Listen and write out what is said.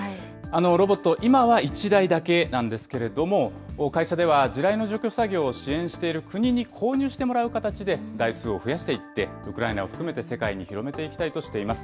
ロボット、今は１台だけなんですけれども、会社では地雷の除去作業を支援している国に購入してもらう形で、台数を増やしていって、ウクライナを含めて世界に広めていきたいとしています。